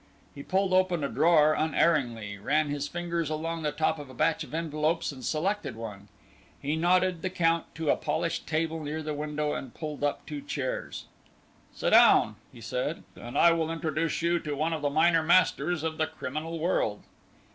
He pulled open a drawer unerringly, ran his fingers along the top of a batch of envelopes and selected one. He nodded the Count to a polished table near the window, and pulled up two chairs. "Sit down," he said, "and I will introduce you to one of the minor masters of the criminal world."